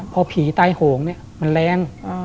พอผีไตห่งมันแรง